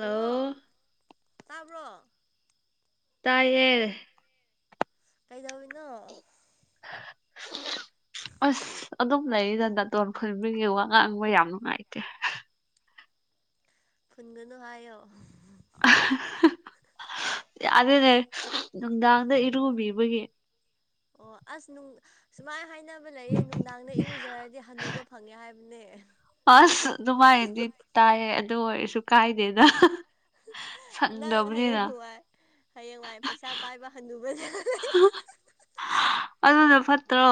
hello ꯇꯥꯕ꯭ꯔꯣ ꯇꯌꯦꯜ ꯀꯩꯗꯧꯔꯤꯅꯣ ꯑ ꯑꯗꯨꯝ ꯂꯩꯔꯤꯗ ꯅꯥꯇꯣꯟ ꯈꯨꯟꯕꯤꯒꯤ ꯋꯥ ꯉꯥꯡꯕ ꯌꯥꯝ ꯅꯨꯡꯉꯥꯏꯇꯦ ꯄꯨꯟꯒꯅꯨ ꯍꯥꯏꯌꯣ ꯌꯥꯗꯦꯅꯦ ꯅꯨꯡꯗꯥꯡꯗ ꯏꯔꯨꯕꯤꯕꯒꯤ ꯑꯣ ꯑꯁ ꯅꯨꯡ ꯁꯨꯃꯥꯏꯅ ꯍꯥꯏꯅꯕ ꯂꯩꯌꯦ ꯅꯨꯡꯗꯥꯡꯗ ꯏꯔꯨꯖꯔꯗꯤ ꯍꯟꯅꯨꯕ ꯐꯪꯉꯦ ꯍꯥꯏꯕꯅꯦ ꯑꯁ ꯑꯗꯨꯃꯥꯏꯅꯗꯤ ꯇꯥꯏꯌꯦ ꯑꯗꯨ ꯑꯣꯏꯔꯁꯨ ꯀꯥꯏꯗꯦꯅ ꯅꯪ ꯍꯌꯦꯡ ꯋꯥꯏ ꯍꯌꯦꯡ ꯋꯥꯏ ꯄꯩꯁꯥ ꯄꯥꯏꯕ ꯍꯟꯂꯨꯕꯁꯦ ꯑꯗꯨꯅ ꯐꯠꯇ꯭ꯔꯣ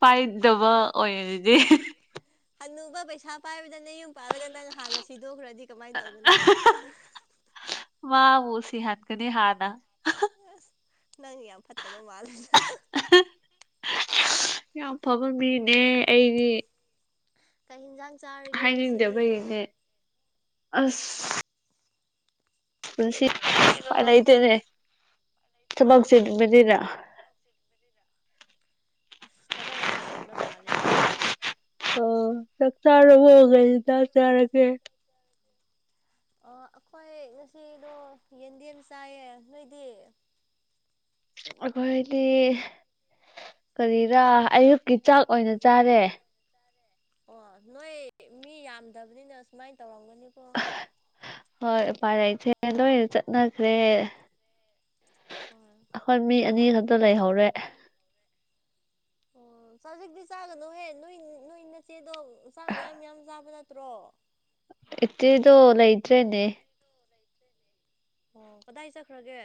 ꯄꯥꯏꯗꯕ ꯑꯣꯏ ꯑꯗꯨꯗꯤ ꯍꯅꯨꯕ ꯄꯩꯁꯥ ꯄꯥꯏꯕꯗꯅꯦ ꯌꯨꯝ ꯄꯥꯜꯂꯒ ꯅꯪ ꯍꯥꯟꯅ ꯁꯤꯗꯣꯛꯈ꯭ꯔꯗꯤ ꯀꯃꯥꯏꯅ ꯇꯧꯒꯅꯤ ꯃꯥꯕꯨ ꯁꯤꯍꯥꯟ ꯀꯅꯤ ꯍꯥꯥꯟꯅ ꯑꯁ ꯅꯪ ꯌꯥꯝ ꯐꯠꯇꯕ ꯃꯥꯜꯂꯦꯅ ꯌꯥꯝ ꯐꯕ ꯃꯤꯅꯦ ꯑꯩꯗꯤ ꯀꯩ ꯌꯦꯤꯟꯖꯥꯡ ꯆꯥꯔꯒꯦ ꯉꯁꯤꯗꯤ ꯍꯥꯏꯅꯤꯡꯗꯕꯒꯤꯅꯦ ꯑꯁ ꯄꯨꯟꯁꯤ ꯆꯦꯁꯤꯔꯣ ꯄꯥꯟ ꯂꯩꯩꯇꯅꯦ ꯊꯕꯛ ꯆꯦ ꯅꯨꯕꯅꯤꯅ ꯃꯁꯤ ꯑꯁ ꯊꯕꯛ ꯌꯥꯝ ꯆꯤꯟꯕ ꯃꯥꯜꯂꯤꯀꯣ ꯑꯣ ꯆꯥꯛ ꯆꯥꯔꯕꯣ ꯀꯩ ꯍꯦꯟꯖꯥꯡ ꯆꯥꯔꯒꯦ ꯑꯣ ꯑꯈꯣꯏ ꯉꯁꯤꯗꯣ ꯌꯦꯟꯗꯦꯝ ꯆꯥꯏꯌꯦ ꯅꯣꯏꯗꯤ ꯑꯈꯣꯏꯗꯤ ꯀꯔꯤꯔꯥ ꯑꯌꯨꯛꯀꯤ ꯆꯥꯛ ꯑꯣꯏꯅ ꯆꯥꯔꯦ ꯑꯣ ꯅꯣꯏ ꯃꯤ ꯌꯥꯝꯗꯕꯅꯤꯅ ꯁꯨꯃꯥꯏꯅ ꯇꯧꯔꯝꯒꯅꯤꯀꯣ ꯍꯣꯏ ꯎꯄꯥꯏ ꯂꯩꯇꯦ ꯂꯣꯏꯅ ꯆꯠꯅꯈ꯭ꯔꯦ ꯍꯣꯏ ꯑꯩꯈꯣꯏ ꯃꯤ ꯑꯅꯤ ꯈꯛꯇ ꯂꯩꯍꯧꯔꯦ ꯑꯣ ꯆꯖꯤꯛꯇꯤ ꯆꯥꯒꯅꯨꯍꯦ ꯅꯣꯏ ꯅꯣꯏ ꯅꯆꯦꯗꯣ ꯆꯥꯛ ꯌꯥꯝꯌꯥꯝ ꯌꯥꯝ ꯆꯥꯕ ꯅꯠꯇ꯭ꯔꯣ ꯏꯆꯦꯗꯣ ꯂꯩꯇ꯭ꯔꯦꯅꯦ ꯑꯣ ꯀꯗꯥꯏ ꯆꯠꯈ꯭ꯔꯒꯦ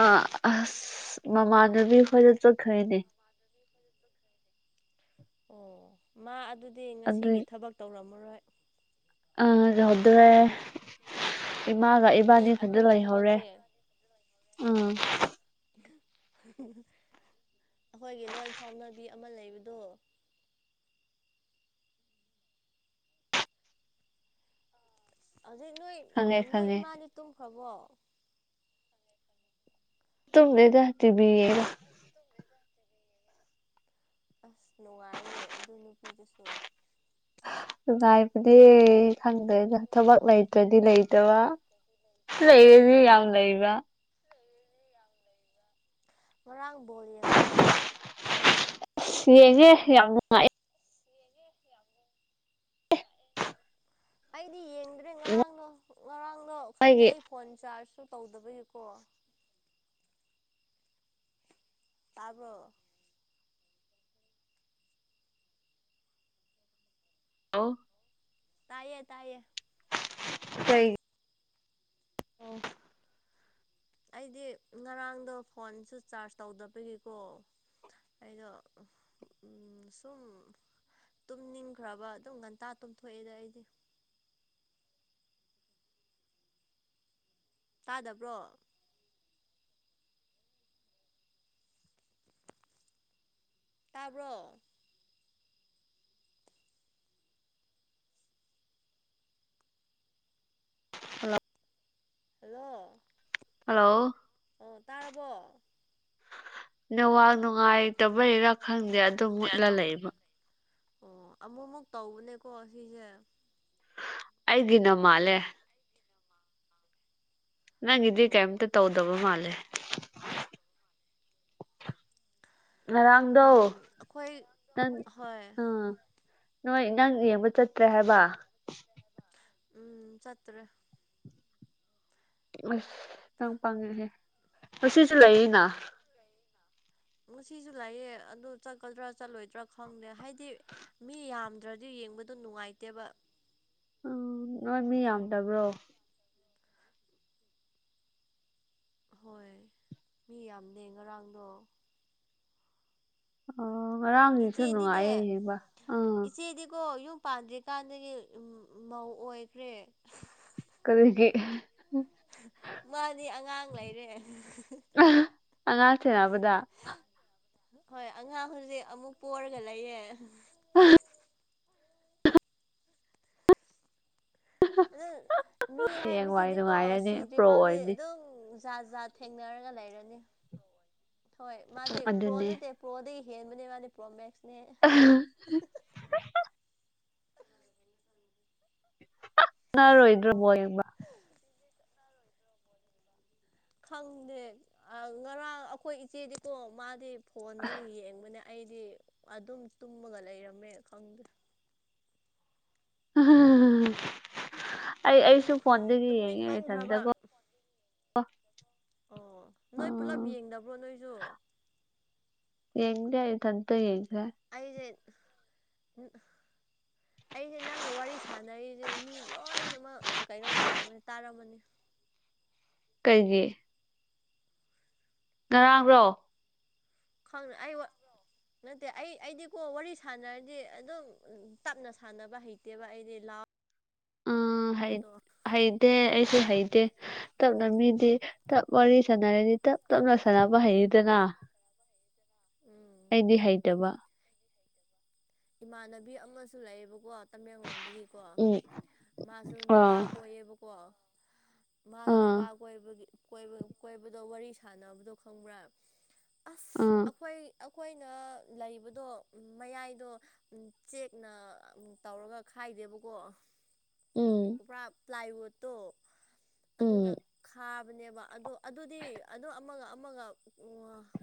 ꯑ ꯑꯁ ꯃꯃꯥꯟꯅꯕꯤ ꯈꯣꯏꯗ ꯆꯠꯈ꯭ꯔꯩꯅꯦ ꯑꯣ ꯃꯥ ꯑꯗꯨꯗꯤ ꯑꯗꯨꯏ ꯉꯁꯤꯒꯤ ꯊꯕꯛ ꯇꯧꯔꯝꯃꯔꯣꯏ ꯑ ꯂꯩꯍꯧꯗ꯭ꯔꯦ ꯏꯃꯥꯒ ꯍꯥꯏꯕꯗꯤ ꯏꯕꯥꯅꯤ ꯈꯛꯇ ꯑꯩꯈꯣꯏꯒꯤ ꯂꯩꯍꯧꯔꯦ ꯊꯕꯛꯁꯦ ꯎꯝ [inaudible] ꯑꯩꯈꯣꯏꯒꯤ ꯂꯣꯟ ꯐꯥꯎꯅꯕꯤ ꯑꯃ ꯂꯩꯕꯗꯣ ꯍꯧꯖꯤꯛ ꯅꯣꯏ ꯈꯪꯉꯦ ꯅꯣꯏ ꯈꯪꯉꯦ ꯏꯃꯥꯅꯤ ꯇꯨꯝꯈ꯭ꯔꯕꯣ ꯇꯨꯝꯗꯦꯗ ꯇꯕꯤ ꯌꯦꯡ ꯉꯥꯒ ꯑꯁ ꯇꯨꯝꯗꯦꯗ ꯑꯁ ꯅꯨꯡꯉꯥꯏꯌꯦꯅꯦ ꯑꯗꯨ ꯅꯨꯄꯤꯗꯨꯁꯨ ꯅꯨꯡꯉꯥꯏꯕꯅꯦ ꯈꯪꯗꯦꯗ ꯊꯕꯛ ꯂꯩꯇ꯭ꯔꯗꯤ ꯂꯩꯇꯕ ꯂꯩꯔꯗꯤ ꯃꯤ ꯌꯥꯝ ꯂꯩꯕ ꯉꯔꯥꯡ ꯕꯣꯜ ꯌꯦꯡꯕ꯭ꯔꯣ ꯌꯦꯡꯉꯦ ꯌꯥꯝ ꯅꯨꯡꯉꯥꯏꯌꯦ ꯍ ꯑꯩꯗꯤ ꯌꯦꯡꯗ꯭ꯔꯦ ꯅꯨꯡꯉꯥꯏꯒꯤ ꯉꯔꯥꯡꯗꯣ ꯉꯔꯥꯡꯗꯣ ꯈꯪꯗꯦ ꯑꯩ ꯐꯣꯟ ꯆꯥꯔꯖꯁꯨ ꯇꯧꯗꯕꯒꯤꯀꯣ ꯇꯥꯕ꯭ꯔꯣ ꯑꯣ ꯇꯥꯏꯌꯦ ꯇꯥꯏꯌꯦ ꯏꯁꯩꯩ ꯑꯣ ꯑꯩꯗꯤ ꯉꯔꯥꯡꯗꯣ ꯐꯣꯟꯁꯨ ꯆꯥꯔꯖ ꯇꯧꯗꯕꯒꯤꯀꯣ ꯑꯩꯗꯣ ꯁꯨꯝ ꯇꯨꯝꯅꯤꯡꯈ꯭ꯔꯕ ꯑꯗꯨꯝ ꯉꯟꯇꯥ ꯇꯨꯝꯊꯣꯛꯑꯦꯗ ꯑꯩꯗꯤ ꯇꯥꯗꯕ꯭ꯔꯣ ꯇꯥꯕ꯭ꯔꯣ ꯍꯜꯂꯣ ꯍꯜꯂꯣ ꯍꯜꯂꯣ ꯑꯣ ꯇꯥꯔꯕꯣ ꯅꯋꯥꯛ ꯅꯨꯡꯉꯥꯏꯇꯕꯩꯔ ꯈꯪꯗꯦ ꯑꯗꯨꯝ ꯃꯨꯠꯂꯛꯂꯩꯕ ꯑꯣ ꯑꯃꯨꯛꯃꯨꯛ ꯇꯧꯕꯅꯦꯀꯣ ꯁꯤꯁꯦ ꯑꯩꯒꯤ ꯅ ꯃꯥꯂꯦ ꯅꯪꯒꯤꯗꯤ ꯑꯣ ꯀꯩꯝꯇ ꯇꯧꯗꯕ ꯃꯥꯜꯂꯦ ꯉꯔꯥꯡꯗꯣ ꯎꯝ ꯑꯩꯈꯣꯏ ꯅꯪ ꯍꯣꯏ ꯑꯝ ꯅꯣꯏ ꯅꯪ ꯌꯦꯡꯕ ꯆꯠꯇ꯭ꯔꯦ ꯍꯥꯏꯕ ꯎꯝ ꯆꯠꯇ꯭ꯔꯦ ꯑꯁ ꯅꯪ ꯄꯡꯉꯦꯍꯦ ꯉꯁꯤꯁꯨ ꯂꯩꯔꯤꯅ ꯉꯁꯤꯁꯨ ꯂꯩꯌꯦ ꯑꯗꯨ ꯆꯠꯀꯗ꯭ꯔꯥ ꯆꯠꯂꯣꯏꯗ꯭ꯔꯥ ꯈꯪꯗꯦ ꯍꯥꯏꯗꯤ ꯃꯤ ꯌꯥꯝꯗ꯭ꯔꯗꯤ ꯌꯦꯡꯕꯗꯣ ꯅꯨꯡꯉꯥꯏꯇꯦꯕ ꯎꯝ ꯅꯣꯏ ꯃꯤ ꯌꯥꯝꯗꯕ꯭ꯔꯣ ꯑꯍꯣꯏ ꯃꯤ ꯌꯥꯝꯅꯦ ꯉꯔꯥꯡꯗꯣ ꯑꯣ ꯉꯥꯔꯥꯡ ꯏꯆꯦꯗꯤꯅꯦ ꯏꯆꯦꯗꯤꯀ ꯌꯨꯝ ꯄꯥꯟꯗ꯭ꯔꯤ ꯀꯥꯟꯗꯒꯤ ꯃꯧ ꯑꯣꯏꯈ꯭ꯔꯦ ꯀꯔꯤꯒꯤ ꯃꯥꯗꯤ ꯑꯉꯥꯡ ꯂꯩꯔꯦ ꯑꯉꯥꯡ ꯁꯦꯅꯕꯗ ꯍꯣꯏ ꯑꯉꯥꯡ ꯍꯧꯖꯤꯛ ꯑꯃꯨꯛ ꯄꯣꯔꯒ ꯂꯩꯌꯦ ꯎꯝ ꯑꯗꯨ ꯃꯤ ꯍꯌꯦꯡꯋꯥꯏ ꯍꯥꯏꯕꯁꯤꯗꯤꯀꯣ ꯅꯨꯡꯉꯥꯏꯔꯅꯤ ꯁꯤꯗ꯭ꯔꯤ ꯄ꯭ꯔꯣ ꯐꯥꯎꯗꯤ ꯑꯣꯏꯔꯅꯤ ꯑꯗꯨꯝ ꯖꯥꯠ ꯖꯥꯠ ꯊꯦꯡꯅꯔꯒ ꯂꯩꯔꯅꯤ ꯍꯣꯏ ꯃꯥꯗꯤ ꯄ꯭ꯔꯣ ꯑꯗꯨꯅꯤ ꯅꯠꯇꯦ ꯄ꯭ꯔꯣꯗꯒꯤ ꯍꯦꯟꯕꯅꯦ ꯃꯥꯅꯤ ꯄ꯭ꯔꯣ ꯃꯦꯛꯁꯅꯦ ꯅ ꯔꯣꯏꯗ꯭ꯔꯣꯕꯣ ꯌꯦꯡꯕ ꯈꯪꯗꯦ ꯉꯔꯥꯡ ꯑꯩꯈꯣꯏ ꯏꯆꯦꯗꯤꯀꯣ ꯃꯥꯗꯤ ꯐꯣꯟꯗꯒꯤ ꯌꯦꯡꯕꯅꯦ ꯑꯩꯗꯤ ꯑꯗꯨꯝ ꯇꯨꯝꯃꯒ ꯂꯩꯔꯝꯃꯦ ꯈꯪꯗ꯭ꯔꯦ ꯑꯩ ꯑꯩꯁꯨ ꯐꯣꯟꯗꯒꯤ ꯌꯦꯡꯉꯦ ꯇꯨꯝꯅꯤꯡꯃꯟꯈ꯭ꯔꯕ ꯏꯊꯟꯇꯀꯣ ꯑꯣ ꯅꯣꯏ ꯄꯨꯂꯞ ꯑꯥ ꯌꯦꯡꯗꯕ꯭ꯔꯣ ꯅꯣꯏꯁꯨ ꯌꯦꯡꯗꯦ ꯏꯊꯟꯇ ꯌꯦꯡꯖꯩ ꯑꯩꯁꯦ ꯑꯩꯁꯦ ꯅꯪꯒ ꯋꯥꯔꯤ ꯁꯥꯟꯅꯔꯤꯁꯦ ꯃꯤ ꯂꯣꯏꯅꯃꯛ ꯀꯩꯅꯣ ꯇꯧꯔꯝꯃꯦ ꯇꯥꯔꯝꯃꯅꯤ ꯀꯩꯒꯤ ꯉꯔꯥꯡꯔꯣ ꯈꯪꯅ ꯑꯩ ꯋꯥ ꯅꯠꯇꯦ ꯑꯩ ꯑꯩꯗꯤꯀꯣ ꯋꯥꯔꯤ ꯁꯥꯟꯅꯔꯗꯤ ꯑꯗꯨꯝ ꯇꯞꯅ ꯁꯥꯟꯅꯕ ꯍꯩꯇꯦꯕ ꯑꯩꯗꯤ ꯂꯥꯎ ꯎꯝ ꯍꯩ ꯑꯣꯗꯣ ꯍꯩꯇꯦ ꯑꯩꯁꯨ ꯍꯩꯇꯦ ꯇꯞꯅ ꯃꯤꯗꯤ ꯇꯞ ꯋꯥꯔꯤ ꯁꯥꯟꯅꯔꯗꯤ ꯇꯞ ꯇꯞꯅ ꯁꯥꯟꯅꯕ ꯍꯩꯌꯦꯗꯅ ꯎꯝ ꯑꯩꯗꯤ ꯍꯩꯇꯕ ꯏꯃꯥꯟꯅꯕꯤ ꯑꯃꯁꯨ ꯂꯩꯌꯦꯕꯀꯣ ꯇꯃꯦꯡꯂꯣꯡꯗꯒꯤ ꯀ ꯎꯝ ꯃꯥꯁꯨ ꯅꯨꯄꯥ ꯑꯥ ꯀꯣꯏꯌꯦꯕꯀꯣ ꯃꯥꯅ ꯑꯥ ꯅꯨꯄꯥ ꯀꯣꯏꯕꯒꯤ ꯀꯣꯏꯕ ꯀꯣꯏꯕꯗꯣ ꯋꯥꯔꯤ ꯁꯥꯟꯅꯕꯗꯣ ꯈꯪꯕ꯭ꯔꯥ [inaudible] ꯑꯁ ꯑꯥ ꯑꯩꯈꯣꯏ ꯑꯩꯈꯣꯏꯅ ꯂꯩꯕꯗꯣ ꯃꯌꯥꯏꯗꯣ ꯆꯦꯛꯅ ꯇꯧꯔꯒ ꯈꯥꯏꯗꯦꯕꯀꯣ ꯎꯝ ꯎꯄꯔꯛ ꯄ꯭ꯂꯥꯏꯋꯨꯠꯇꯣ ꯑꯗꯨꯅ ꯎꯝ ꯈꯥꯕꯅꯦꯕ ꯑꯗꯣ ꯑꯗꯨꯗꯤ ꯑꯗꯨ ꯑꯃꯒ ꯑꯃꯒ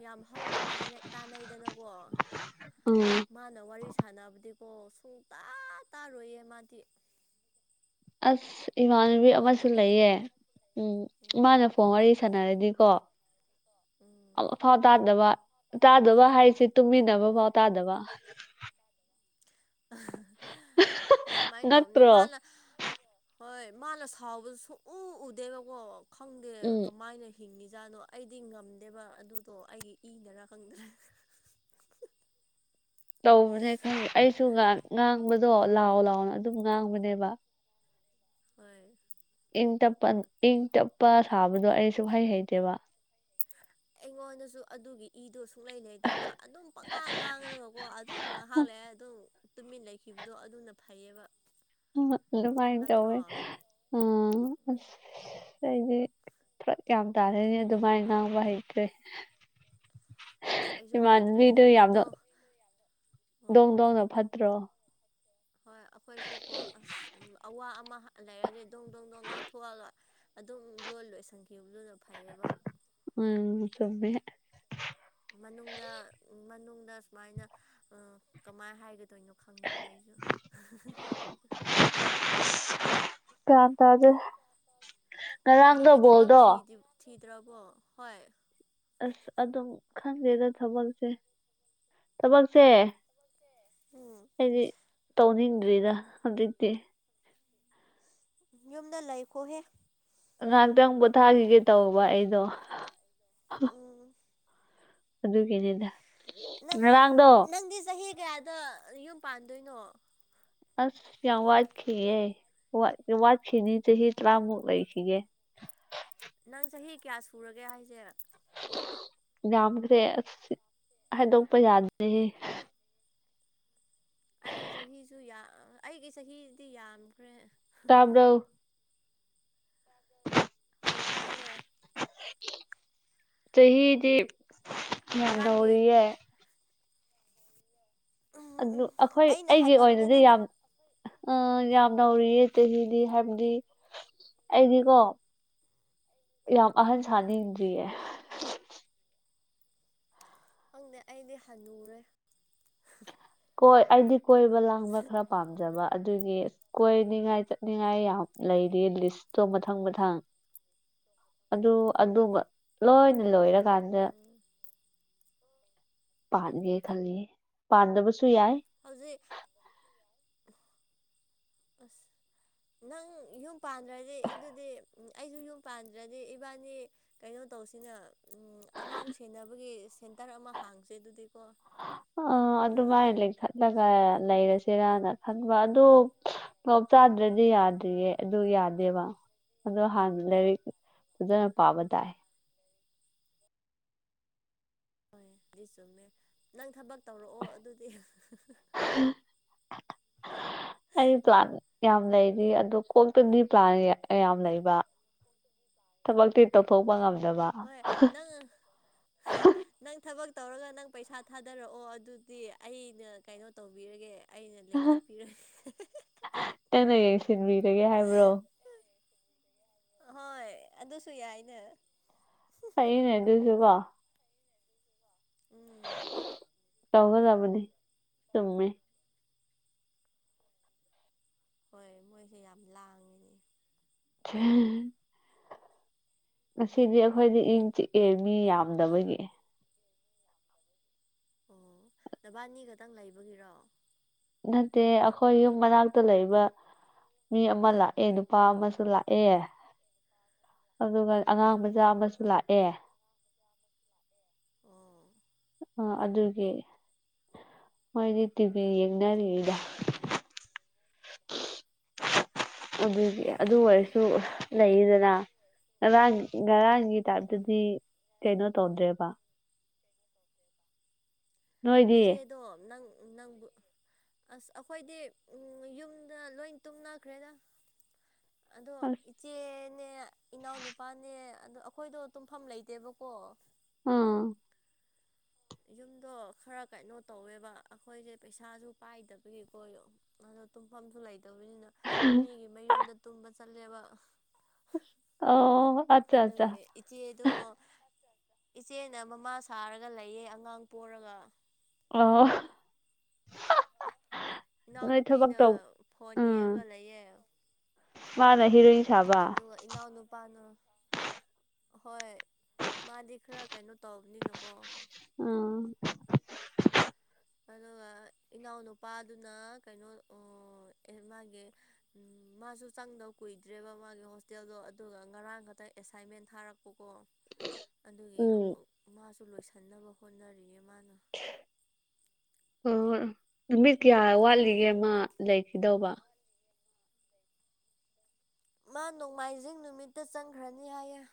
ꯌꯥꯝ ꯍꯧꯅ ꯇꯥꯏ ꯇꯥꯏꯅꯩꯗꯅꯀꯣ ꯎꯝ ꯃꯥꯅ ꯋꯥꯔꯤ ꯁ ꯁꯥꯟꯅꯕꯗꯤꯀꯣ ꯁꯨꯡ ꯇꯥ ꯇꯥꯔꯣꯏꯌꯦ ꯃꯥꯗꯤ ꯑꯁ ꯏꯃꯥꯟꯅꯕꯤ ꯑꯃꯁꯨ ꯂꯩꯌꯦ ꯎꯝ ꯃꯥꯅ ꯎꯝ ꯐꯣꯟ ꯋꯥꯔꯤ ꯁꯥꯟꯅꯔꯗꯤꯀꯣ ꯎꯝ ꯐꯥꯎ ꯇꯥꯗꯕ ꯇꯥꯗꯕ ꯍꯥꯏꯁꯦ ꯇꯨꯝꯃꯤꯟꯅꯕ ꯐꯥꯎ ꯇꯥꯗꯕ ꯁꯨꯃꯥꯏꯅ ꯇꯧꯕꯅꯤ ꯅꯠꯇ꯭ꯔꯣ ꯃꯥꯅ ꯍꯣꯏ ꯃꯥꯅ ꯁꯥꯎꯕꯁꯨ ꯁꯣꯛꯎ ꯎꯗꯦꯕꯀꯣ ꯈꯪꯗꯦ ꯎꯝ ꯀꯃꯥꯏꯅ ꯍꯤꯡꯉꯤꯖꯥꯠꯅꯣ ꯑꯩꯗꯤ ꯉꯝꯗꯦꯕ ꯑꯗꯨꯗꯣ ꯑꯩꯒꯤ ꯏꯅꯔꯥ ꯈꯪꯗ꯭ꯔꯦ ꯇꯧꯕꯅꯦ ꯈꯪꯗꯦ ꯑꯩꯁꯨ ꯉꯥꯡꯕꯗꯣ ꯂꯥꯎ ꯂꯥꯎꯅ ꯑꯗꯨꯝ ꯉꯥꯡꯕꯅꯦꯕ ꯍꯣꯏ ꯏꯪ ꯇꯞꯄ ꯏꯪ ꯇꯞꯄ ꯁꯥꯕꯗꯣ ꯑꯩꯁꯨ ꯍꯩ ꯍꯩꯇꯦꯕ ꯑꯩꯉꯣꯟꯗꯁꯨ ꯑꯗꯨꯒꯤ ꯏꯗꯨ ꯁꯨꯛꯂꯩ ꯂꯩꯩꯇꯦꯕ ꯑꯗꯨꯝ ꯄꯪꯉꯥꯡ ꯉꯥꯡꯈꯒꯀꯣ ꯑꯗꯨꯝ ꯉꯥꯏꯍꯥꯛ ꯂꯩꯑꯦ ꯑꯗꯨꯝ ꯇꯨꯃꯤꯟ ꯂꯩꯈꯤꯕꯗꯣ ꯑꯗꯨꯅ ꯐꯩꯌꯦꯕ ꯑꯗꯨꯃꯥꯏꯅ ꯅꯠꯇ꯭ꯔꯣ ꯇꯧꯋꯦ ꯎꯝ ꯑꯁ ꯑ ꯑꯩꯗꯤ ꯐꯔꯛ ꯀ꯭ꯌꯥ ꯇꯥꯅꯅꯦ ꯑꯗꯨꯃꯥꯏꯅ ꯉꯥꯡꯕ ꯍꯩꯇ꯭ꯔꯦ ꯑꯁ [inaudible] ꯑꯩꯁꯨ ꯍꯩꯇ꯭ꯔꯦ ꯏꯃꯥꯟꯅꯕꯤꯗꯨ ꯌꯥꯝꯅ ꯑꯗꯨꯗꯤꯗꯣ ꯗꯣꯡ ꯍꯣꯏ ꯗꯣꯡꯅ ꯐꯠꯇ꯭ꯔꯣ ꯍꯣꯏ ꯑꯩꯈꯣꯏꯁꯨ ꯀꯣ ꯑꯁ ꯑꯋꯥ ꯑꯃ ꯂꯩꯔꯗꯤ ꯗꯣꯡ ꯗꯣꯡ ꯗꯣꯡ ꯉꯥꯡꯊꯣꯛꯍꯂꯣꯏ ꯑꯗꯨꯝ ꯂꯣꯏ ꯂꯣꯏ ꯁꯪꯈꯤꯕꯈꯤꯕꯗꯨꯗ ꯐꯩꯌꯦꯕ ꯎꯝ ꯁꯃꯦꯃꯦ ꯃꯅꯨꯡꯗ ꯎ ꯃꯅꯨꯡꯗ ꯁꯨꯃꯥꯏꯅ ꯎ ꯀꯃꯥꯏꯅ ꯍꯥꯏꯒꯗꯣꯏꯅꯣ ꯈꯪꯗ꯭ꯔꯦ ꯑꯩꯁꯨ ꯀ ꯇꯖ ꯉꯔꯥꯡꯗꯣ ꯅꯪꯗꯤ ꯊꯕꯛ ꯣꯗꯣ ꯊꯤꯗꯤ ꯊꯤꯗ꯭ꯔꯕꯣ ꯍꯣꯏ ꯑꯁ ꯑꯗꯨꯝ ꯈꯪꯒꯦꯗ ꯊꯕꯛꯁꯦ ꯊꯕꯛꯁꯦ ꯎꯝ ꯑꯩꯗꯤ ꯇꯧꯅꯤꯡꯗ꯭ꯔꯤꯗ ꯍꯧꯖꯤꯛꯇꯤ ꯌꯨꯝꯗ ꯂꯩꯈꯣꯍꯦ ꯉꯥꯏꯍꯥꯛꯇꯪ ꯄꯣꯊꯥꯈꯤꯒꯦ ꯇꯧꯕ ꯑꯩꯗꯣ ꯑꯥ ꯑꯗꯨꯒꯤꯅꯦ ꯪ ꯅꯪꯗꯤ ꯆꯍꯤ ꯀꯌꯥꯗ ꯌꯨꯝ ꯄꯥꯟꯗꯣꯏꯅꯣ ꯑꯁ ꯌꯥꯝ ꯋꯥꯠꯈꯤꯦ ꯋꯥ ꯋꯥꯠꯈꯤꯅꯤ ꯆ ꯍ ꯇꯥꯃꯛ ꯂꯩꯈꯤꯒꯦ [inaudible] ꯅꯪ ꯆꯍꯤ ꯀꯌꯥ ꯁꯨꯔꯒꯦ ꯍꯥꯏꯁꯦ ꯌꯥꯝꯈ꯭ꯔꯦ ꯑꯁ ꯍꯥꯏꯗꯣꯛꯄ ꯌꯥꯗꯦ ꯑꯩꯒꯤ ꯆꯍꯤꯁꯨ ꯑꯩꯒꯤ ꯆꯍꯤꯗꯤ ꯌꯥꯝꯈ꯭ꯔꯦ ꯇꯥꯕ꯭ꯔꯣ ꯍꯣꯏ ꯇꯌꯦ ꯆꯍꯤꯗꯤ ꯌꯥꯝ ꯉꯔꯥꯡꯒꯤ ꯅꯧꯔꯤꯌꯦ ꯎꯝ ꯑꯗꯨ ꯎꯝ ꯑꯩꯈꯣꯏ ꯑꯩꯅ ꯑꯩꯒꯤ ꯑꯣꯏꯅꯗꯤ ꯍꯜꯂꯝꯒꯅꯤꯗ ꯌꯥꯝ ꯑ ꯌꯥꯝ ꯅꯧꯔꯤꯌꯦ ꯆꯍꯤꯗꯤ ꯍꯥꯏꯕꯗꯤ ꯑꯩꯗꯤꯀꯣ ꯌꯥꯝ ꯑꯍꯟ ꯎꯝ ꯁꯅꯤꯖꯤꯌꯦ ꯈꯪꯗꯦ ꯑꯩꯗꯤ ꯍꯅꯨꯔꯦ ꯀꯣꯏ ꯑꯩꯗꯤ ꯀꯣꯏꯕ ꯂꯥꯡꯕ ꯈꯔ ꯄꯥꯝꯖꯕ ꯑꯗꯨꯒꯤ ꯑ ꯀꯣꯏꯅꯤꯡꯉꯥꯏ ꯆꯠꯅꯤꯡꯉꯥꯏ ꯌꯥꯝ ꯂꯩꯔꯤ ꯂꯤꯁꯇꯣ ꯃꯊꯪ ꯃꯊꯪ ꯑꯗꯨ ꯑꯗꯨ ꯂꯣꯏꯅ ꯂꯣꯏꯔꯀꯥꯟꯗ ꯎꯝ ꯄꯥꯟꯒꯦ ꯈꯜꯂꯤ ꯄꯥꯟꯗꯕꯁꯨ ꯌꯥꯏ ꯍꯧꯖꯤꯛ ꯑꯁ ꯅꯪ ꯌꯨꯝ ꯄꯥꯟꯗ꯭ꯔꯗꯤ ꯑꯗꯨꯗꯤ ꯑꯩꯁꯨ ꯌꯨꯝ ꯄꯥꯟꯗ꯭ꯔꯗꯤ ꯏꯕꯥꯅꯤ ꯀꯩꯅꯣ ꯇꯧꯁꯤꯅ ꯎ ꯑꯉꯥꯡ ꯁꯦꯟꯅꯕꯒꯤ ꯁꯦꯟꯇꯔ ꯑꯃ ꯍꯥꯡꯁꯦ ꯑꯗꯨꯗꯤꯀꯣ ꯑ ꯑꯗꯨꯃꯥꯏꯅ ꯂꯤꯡꯈꯠꯂꯒ ꯂꯩꯔꯁꯤꯔꯅ ꯈꯟꯕ ꯑꯗꯨ ꯄꯣꯞ ꯆꯥꯗ꯭ꯔꯗꯤ ꯌꯥꯗ꯭ꯔꯤꯌꯦ ꯑꯗꯨ ꯌꯥꯗꯦꯕ ꯑꯗꯣ ꯍꯥꯟꯅ ꯂꯥꯏꯔꯤꯛ ꯐꯖꯅ ꯄꯥꯕ ꯇꯥꯏ ꯍꯣꯏ ꯑꯗꯨꯗꯤ ꯆꯨꯝꯃꯦ ꯅꯪ ꯊꯕꯛ ꯇꯧꯔꯛꯑꯣ ꯑꯗꯨꯗꯤ [unintelligible] ꯑꯩ ꯄ꯭ꯂꯥꯟ ꯌꯥꯝ ꯂꯩꯔꯤ ꯑꯗꯨ ꯀꯣꯛꯇꯗꯤ ꯄ꯭ꯂꯥꯟ ꯌꯥꯝ ꯂꯩꯕ ꯊꯕꯛꯇꯤ ꯇꯧꯊꯣꯛꯄ ꯉꯝꯗꯅꯕ ꯍꯣꯏ ꯅꯪ ꯅꯪ ꯊꯕꯛ ꯇꯧꯔꯒ ꯅꯪ ꯄꯩꯁꯥ ꯊꯥꯗꯔꯛꯑꯣ ꯑꯗꯨꯗꯤ ꯑꯩꯅ ꯀꯩꯅꯣ ꯇꯧꯕꯤꯔꯒꯦ ꯑꯩꯅ ꯂꯤꯡꯈꯠꯄꯤꯔꯨꯏ ꯀꯟꯅ ꯌꯦꯡꯁꯤꯟꯕꯤꯔꯒꯦ ꯍꯥꯏꯕ꯭ꯔꯣ ꯍꯣꯏ ꯑꯗꯨꯁꯨ ꯌꯥꯏꯅꯦ ꯐꯅꯦ ꯑꯗꯨꯏꯁꯨ ꯀꯣ ꯎꯝ ꯌꯥꯧꯒꯗꯕꯗꯤ ꯆꯨꯝꯃꯦ ꯍꯣꯏ ꯃꯣꯏꯁꯦ ꯌꯥꯝ ꯂꯥꯡꯉꯤꯅꯦ ꯈ ꯉꯁꯤꯗꯤ ꯑꯩꯈꯣꯏꯗꯤ ꯏꯪ ꯆꯤꯛꯑꯦ ꯃꯤ ꯌꯥꯝꯗꯕꯒꯤ ꯑꯣ ꯅꯕꯥꯅꯤ ꯈꯛꯇꯪ ꯂꯩꯕꯒꯤꯔꯣ ꯅꯠꯇꯦ ꯑꯩꯈꯣꯏ ꯌꯨꯝ ꯃꯅꯥꯛꯇ ꯂꯩꯕ ꯃꯤ ꯑꯃ ꯂꯥꯛꯑꯦ ꯅꯨꯄꯥ ꯑꯃꯁꯨ ꯂꯥꯛꯑꯦ ꯑꯗꯨꯒ ꯑꯉꯥꯡ ꯑꯣ ꯃꯆꯥ ꯑꯃꯁꯨ ꯂꯥꯛꯑꯦ ꯑꯣ ꯑꯗꯨꯒꯤ ꯃꯣꯏꯗꯤ ꯇꯤꯚꯤ ꯌꯦꯡꯅꯔꯤꯗ ꯎ ꯑꯗꯨꯒꯤ ꯑꯗꯨ ꯑꯣꯏꯔꯁꯨ ꯂꯩꯔꯤꯗꯅ ꯉꯔꯥꯡꯒꯤ ꯉꯔꯥꯡꯒꯤ ꯎꯝ ꯇꯥꯏꯞꯇꯗꯤ ꯀꯩꯅꯣ ꯇꯧꯗ꯭ꯔꯦꯕ ꯅꯣꯏꯗꯤ ꯏꯆꯦꯗꯣ ꯅꯪ ꯅꯪꯕꯨ ꯑꯁ ꯑꯩꯈꯣꯏꯗꯤ ꯌꯨꯝꯗ ꯂꯣꯏ ꯇꯨꯝꯅꯈ꯭ꯔꯦꯗ ꯑꯗꯣ ꯑꯁ ꯏꯆꯦꯅꯦ ꯏꯅꯥꯎꯅꯨꯄꯥꯅꯦ ꯑꯗ ꯑꯩꯈꯣꯏꯗꯣ ꯇꯨꯝꯐꯝ ꯂꯩꯇꯦꯕꯀꯣ ꯑꯥ ꯌꯨꯝꯗꯣ ꯈꯔ ꯀꯩꯅꯣ ꯇꯧꯋꯦꯕ ꯑꯩꯈꯣꯏꯁꯦ ꯄꯩꯁꯥꯁꯨ ꯄꯥꯏꯗꯕꯒꯤ ꯀꯣ ꯑꯗꯣ ꯇꯨꯝꯐꯝꯁꯨ ꯂꯩꯇꯕꯅꯤꯅ ꯃꯤꯒꯤ ꯃꯌꯨꯝꯗ ꯇꯨꯝꯕ ꯆꯠꯂꯦꯕ ꯑꯣ ꯑꯠꯆꯥ ꯑꯗ ꯑꯠꯆꯥ ꯏꯆꯦꯗꯣ ꯏꯆꯦꯅ ꯃꯃꯥ ꯁꯥꯔꯒ ꯂꯩꯌꯦ ꯑꯉꯥꯡ ꯄꯣꯔꯒ ꯑꯣ ꯅꯣꯏ ꯊꯕꯛ ꯏꯅꯥꯎꯅꯨꯄꯤꯅ ꯇꯧ ꯐꯣꯟ ꯌꯦꯡꯉꯒ ꯂꯩꯌꯦ ꯋꯥꯔ ꯍꯔꯣꯏꯏ ꯑꯗꯨꯒ ꯏꯅꯥꯎꯅꯨꯄꯥꯅ ꯍꯣꯏ ꯃꯥꯗꯤ ꯈꯔ ꯀꯩꯅꯣ ꯇꯧꯕꯅꯤꯅꯀꯣ ꯑꯥ ꯑꯗꯨꯒ ꯏꯅꯥꯎꯅꯨꯄꯥꯗꯨꯅ ꯀꯩꯅꯣ ꯃꯥꯒꯤ ꯃꯥꯁꯨ ꯆꯪꯗꯕ ꯀꯨꯏꯗ꯭ꯔꯦꯕ ꯃꯥꯒꯤ ꯍꯣꯁꯇꯦꯜꯗꯣ ꯑꯗꯨꯒ ꯉꯔꯥꯡ ꯈꯛꯇꯪ ꯑꯦꯁꯥꯏꯟꯃꯦꯟ ꯊꯥꯔꯛꯄꯀꯣ ꯑꯗꯨꯒꯤ ꯎꯝ ꯑꯃꯨꯛ ꯃꯥꯁꯨ ꯂꯣꯏꯁꯤꯟ ꯅꯕ ꯍꯣꯠꯅꯔꯤꯌꯦ ꯃꯥꯅ ꯍꯣꯏ ꯍꯣꯏ ꯅꯨꯃꯤꯠ ꯀꯌꯥ ꯋꯥꯠꯂꯤꯒꯦ ꯑꯃ ꯂꯩꯈꯤꯗꯧꯕ ꯃꯥ ꯅꯣꯡꯃꯥꯏꯖꯤꯡ ꯅꯨꯃꯤꯠꯇꯥ ꯆꯪꯈ꯭ꯔꯅꯤ ꯍꯥꯏꯌꯦꯦ